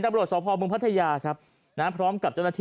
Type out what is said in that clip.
นะประโหลสมภาพมึงพัทยาครับนะพร้อมกับเจ้าน้าที่